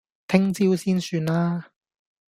聽朝先算啦